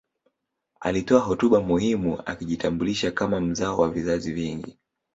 Alitoa hotuba muhimu akijitambulisha kama mzao wa vizazi vingi